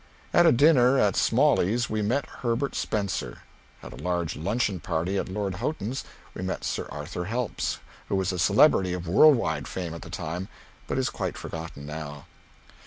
At a dinner at Smalley's we met Herbert Spencer. At a large luncheon party at Lord Houghton's we met Sir Arthur Helps, who was a celebrity of world wide fame at the time, but is quite forgotten now.